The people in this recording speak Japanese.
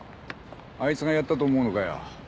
あいつがやったと思うのかよ？